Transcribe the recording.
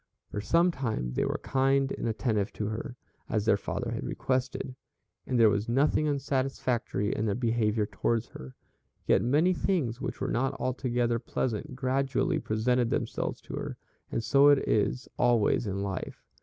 For some time they were kind and attentive to her, as their father had requested, and there was nothing unsatisfactory in their behavior towards her, yet many things which were not altogether pleasant gradually presented themselves to her, and so it is always in life.